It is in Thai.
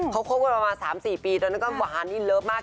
เขาคบกันประมาณ๓๔ปีตอนนั้นก็หวานนี่เลิฟมาก